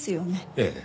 ええ。